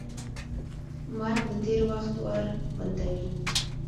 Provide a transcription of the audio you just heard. مرګ د تېر وخت ور بندوي.